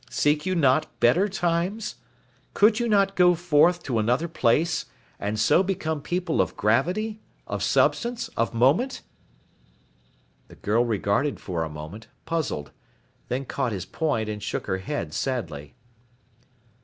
Seek you not better times? Could you not go forth to another place, and so become people of gravity, of substance, of moment?" The girl regarded for a moment, puzzled, then caught his point and shook her head sadly.